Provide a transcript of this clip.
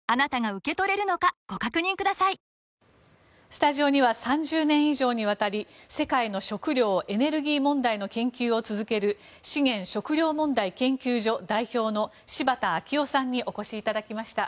スタジオには３０年以上にわたり世界の食糧・エネルギー問題の研究を続ける資源・食糧問題研究所代表の柴田明夫さんにお越しいただきました。